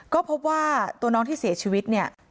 ก็พบว่าตัวน้องที่เสียชีวิตเนี่ย